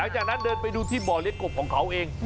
จากนั้นเดินไปดูที่บ่อเลี้ยกบของเขาเอง